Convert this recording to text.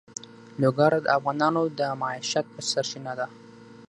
لوگر د افغانانو د معیشت سرچینه ده.